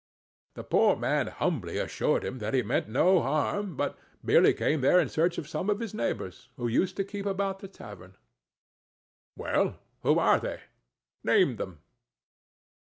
The poor man humbly assured him that he meant no harm, but merely came there in search of some of his neighbors, who used to keep about the tavern. "Well—who are they?—name them."